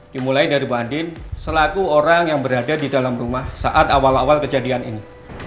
dimulai dari pak andin selaku orang yang berada di dalam rumah saat awal awal kejadian ini